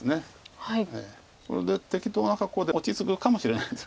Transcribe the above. これで適当な格好で落ち着くかもしれないです。